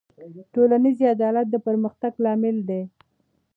ټولنیز عدالت د پرمختګ لامل دی.